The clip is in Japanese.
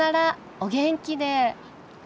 お元気で。